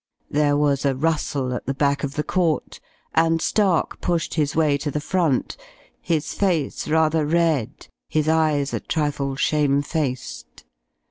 There was a rustle at the back of the court, and Stark pushed his way to the front, his face rather red, his eyes a trifle shamefaced.